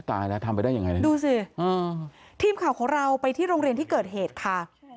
ตายแล้วทำไปได้ยังไงเนี่ยดูสิทีมข่าวของเราไปที่โรงเรียนที่เกิดเหตุค่ะ